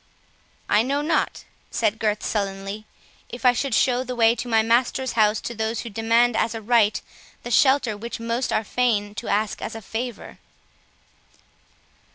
"I know not," said Gurth, sullenly, "if I should show the way to my master's house, to those who demand as a right, the shelter which most are fain to ask as a favour."